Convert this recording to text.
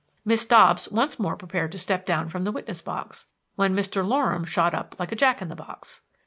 Miss Dobbs once more prepared to step down from the witness box, when Mr. Loram shot up like a jack in the box.